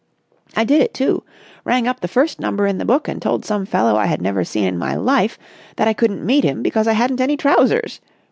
I did it, too. Rang up the first number in the book and told some fellow I had never seen in my life that I couldn't meet him because I hadn't any trousers!